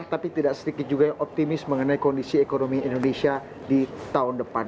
tapi tidak sedikit juga yang optimis mengenai kondisi ekonomi indonesia di tahun depan